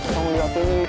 bapak kakak beli apaan itu